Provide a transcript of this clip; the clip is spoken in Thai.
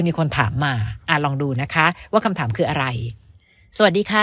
มีคนถามมาอ่าลองดูนะคะว่าคำถามคืออะไรสวัสดีค่ะ